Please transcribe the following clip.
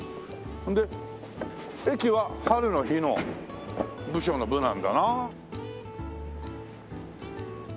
で駅は「春」の「日」の部署の「部」なんだな。